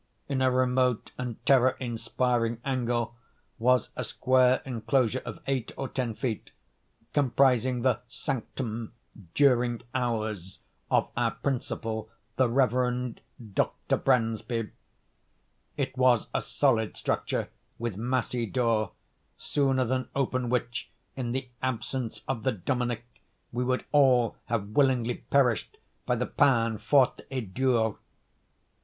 In a remote and terror inspiring angle was a square enclosure of eight or ten feet, comprising the sanctum, "during hours," of our principal, the Reverend Dr. Bransby. It was a solid structure, with massy door, sooner than open which in the absence of the "Dominie," we would all have willingly perished by the peine forte et dure.